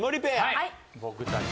はい。